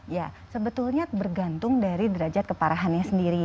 ya sebetulnya bergantung dari derajat keparahannya sendiri